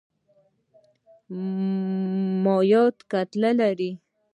مایعات کتلې لري.